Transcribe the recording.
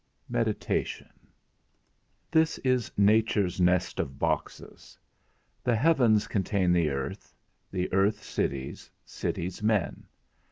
_ X. MEDITATION. This is nature's nest of boxes: the heavens contain the earth; the earth, cities; cities, men.